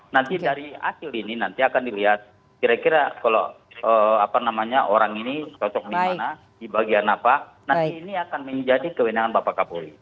nanti dari hasil ini nanti akan dilihat kira kira kalau apa namanya orang ini cocok di mana di bagian apa nanti ini akan menjadi kewenangan bapak kapolri